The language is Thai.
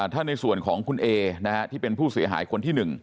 ถ้าในส่วนของคุณเอที่เป็นผู้เสียหายคนที่๑